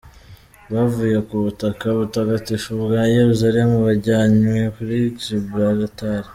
Bavuye ku butaka butagatifu bwa Yeruzalemu, bajyanywe kuri Gibraltar.